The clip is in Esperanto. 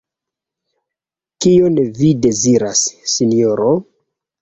Kion vi deziras, Sinjoro?